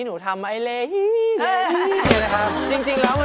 โฮลาเลโฮลาเล